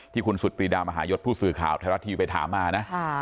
ที่คุณสุดปรีดามหายศผู้สื่อข่าวธรรภีไวทาม่านะค่ะ